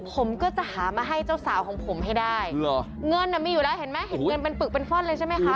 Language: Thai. ผมก็จะหามาให้เจ้าสาวของผมให้ได้เงินน่ะมีอยู่แล้วเห็นไหมเห็นเงินเป็นปึกเป็นฟ่อนเลยใช่ไหมคะ